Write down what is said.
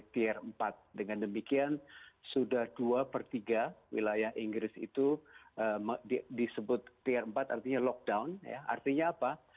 tier empat dengan demikian sudah dua per tiga wilayah inggris itu disebut tr empat artinya lockdown artinya apa